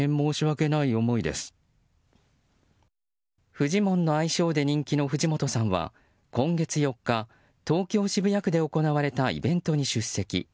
フジモンの愛称で人気の藤本さんは今月４日、東京・渋谷区で行われたイベントに出席。